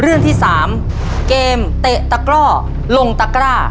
เรื่องที่๓เกมเตะตะกร่อลงตะกร้า